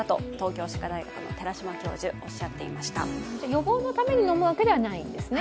予防のために飲むわけではないんですね。